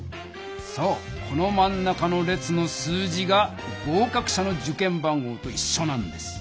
そうこのまん中の列の数字が合かく者の受験番号といっしょなんです。